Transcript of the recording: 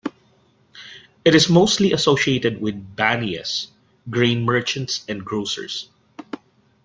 It is mostly associated with Baniyas, Grain merchants and Grocers.